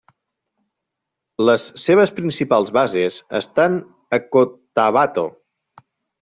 Les seves principals bases estan a Cotabato.